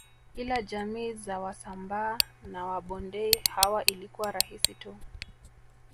Ila jamii za wasambaa na wabondei hawa ilikuwa rahisi tu